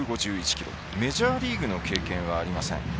キロメジャーリーグの経験はありません。